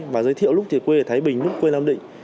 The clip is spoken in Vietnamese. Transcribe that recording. và giới thiệu lúc thì quê ở thái bình lúc quê nam định